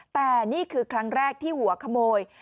แต่นี่คือครั้งแรกที่หัวขโมย